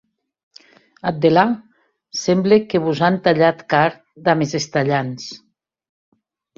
Ath delà, semble que vos an talhat carn damb es estalhants.